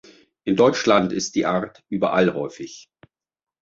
In Deutschland ist die Art überall häufig.